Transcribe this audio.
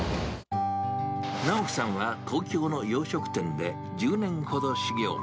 直樹さんは東京の洋食店で１０年ほど修業。